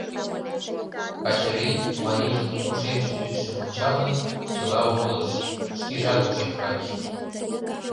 Качырий марийжын ошемше тӱсшым ончалын, чыла умылыш, шкежат ошем кайыш.